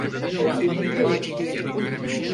Tabii, biliyorum.